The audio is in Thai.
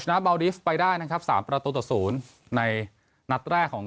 ชนะบาวดิฟต์ไปได้นะครับสามประตูต่อศูนย์ในนัดแรกของ